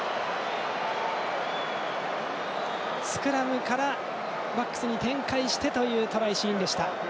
スクラムからバックスに展開してというトライシーンでした。